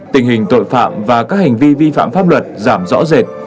tình hình tội phạm và các hành vi vi phạm pháp luật giảm rõ rệt